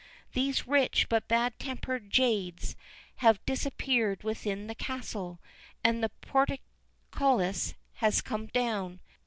These rich but bad tempered jades have disappeared within the castle, and the portcullis has come down.